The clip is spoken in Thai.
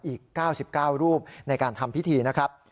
อีก๙๙รูปในการทำพิธีนะครับ